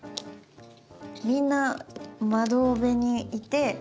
みんな窓辺にいて。